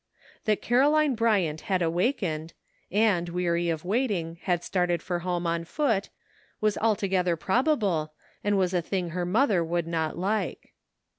That Caroline Bryant had awakened, and, weary of waiting, had started 58 *'WHAT COULD HAPPEN?'' for home on foot, was altogether probable, and was a tiling her mother would not like.